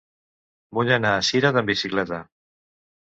Vull anar a Cirat amb bicicleta.